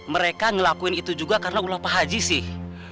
mereka ngelakuin itu juga karena ulah pak haji sih